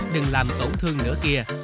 đừng làm tổn thương nữa kia